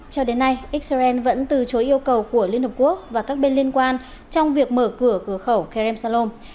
cho đến nay israel vẫn từ chối yêu cầu của liên hợp quốc và các bên liên quan trong việc mở cửa cửa khẩu kerem salom